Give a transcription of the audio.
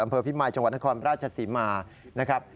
อำเภอพิมายจังหวัดนครราชศรีมานะครับ